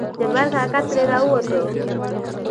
جبار کاکا ترې راووتو.